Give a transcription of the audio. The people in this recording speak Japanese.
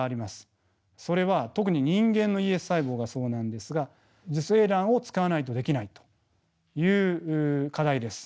それは特に人間のＥＳ細胞がそうなんですが受精卵を使わないとできないという課題です。